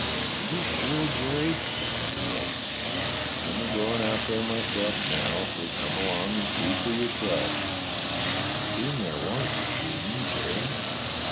'* Are you sure, Jerry? " said the girl. I'm a goin' out there myself now; so come along and see for yourself." "I've been there once this evening, Jerry."